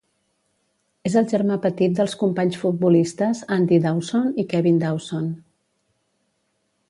És el germà petit dels companys futbolistes Andy Dawson i Kevin Dawson.